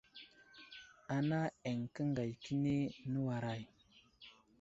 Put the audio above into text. Ana eŋ kəngay kəni nəwaray ?